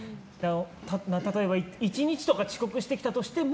例えば、１日とか遅刻してきたとしても。